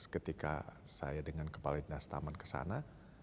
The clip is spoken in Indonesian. ketika saya dengan kepala indah staman kesana